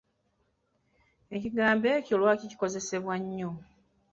Ekigambo ekyo lwaki kikozesebwa nnyo?